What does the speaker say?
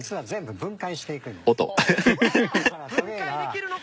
分解できるのか！